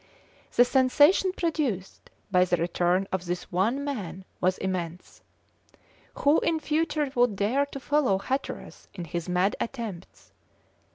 The sensation produced by the return of this one man was immense. Who in future would dare to follow Hatteras in his mad attempts?